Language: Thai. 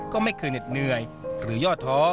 ก็ไม่เคยเหน็ดเหนื่อยหรือย่อท้อ